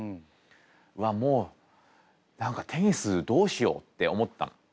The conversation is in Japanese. うわもう何かテニスどうしようって思ったの。